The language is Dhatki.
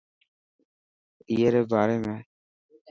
اي ري باري ۾.